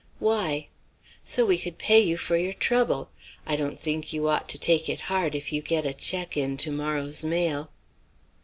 "Why?" "So we could pay you for your trouble. I don't think you ought to take it hard if you get a check in to morrow's mail."